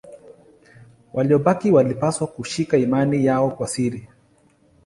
Waliobaki walipaswa kushika imani yao kwa siri.